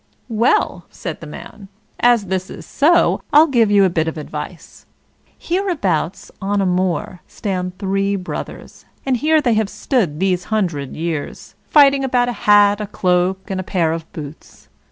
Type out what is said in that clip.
"Well!" said the man, "as this is so, I'll give you a bit of advice. Hereabouts, on a moor, stand three brothers, and here they have stood these hundred years, fighting about a hat, a cloak, and a pair of boots.